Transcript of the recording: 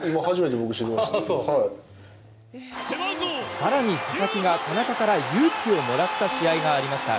更に、佐々木が田中から勇気をもらった試合がありました。